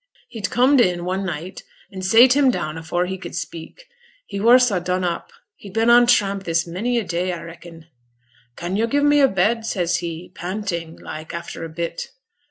He'd comed in one night, an' sate him down afore he could speak, he were so done up; he'd been on tramp this many a day, a reckon. "Can yo' give me a bed?" says he, panting like, after a bit.